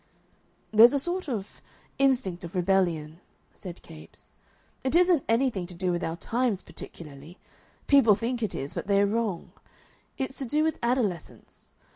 "There's a sort of instinct of rebellion," said Capes. "It isn't anything to do with our times particularly. People think it is, but they are wrong. It's to do with adolescence.